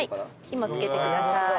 火もつけてください。